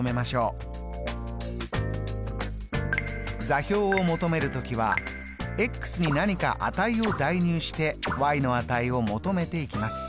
座標を求める時はに何か値を代入しての値を求めていきます。